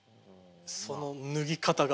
その脱ぎ方が。